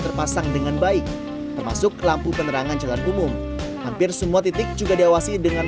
terpasang dengan baik termasuk lampu penerangan jalan umum hampir semua titik juga diawasi dengan